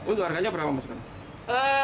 untuk harganya berapa maksudnya